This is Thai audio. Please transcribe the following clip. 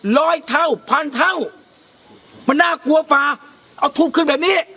ร้อยเท่าพันเท่ามันน่ากลัวฝ่าเอาทูบขึ้นแบบนี้